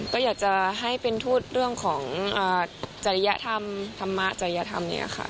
ก็อยากจะให้เป็นทูตเรื่องของจริยธรรมธรรมะจริยธรรมเนี่ยค่ะ